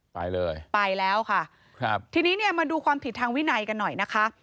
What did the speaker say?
ไปเลยไปแล้วค่ะครับทีนี้เนี่ยมาดูความผิดทางวินัยกันหน่อยนะคะ